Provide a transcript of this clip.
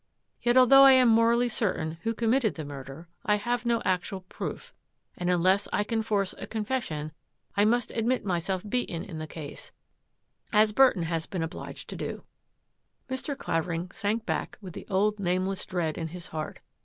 Yet, although I am morally certain who committed the murder, I have no actual proof, and unless I can force a confession, I must admit myself beaten in the case, as Burton has been ob liged to do." Mr. Clavering sank back with the old nameless dread in his heart.